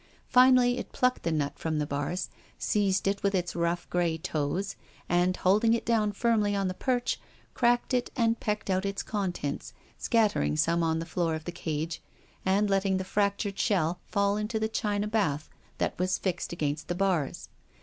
Finally it plucked the nut from the bars, seized it with its.rough, gray toes, and, holding it down firmly on the perch, cracked it and pecked out its contents, scattering some on the ."oor of the cage and letting the fractured shell fall into the china bath that was fixed against the bars.